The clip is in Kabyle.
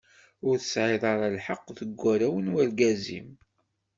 Ur tesɛiḍ ara lḥeq deg warraw n urgaz-im.